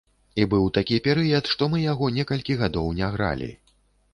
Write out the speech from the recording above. І быў такі перыяд, што мы яго некалькі гадоў не гралі.